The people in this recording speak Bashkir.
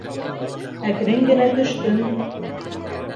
Әкрен генә төштөм...